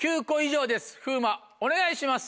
風磨お願いします。